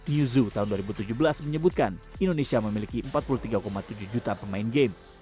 yusu tahun dua ribu tujuh belas menyebutkan indonesia memiliki empat puluh tiga tujuh juta pemain game